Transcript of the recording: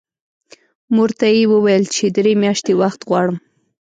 مور ته یې وویل چې درې میاشتې وخت غواړم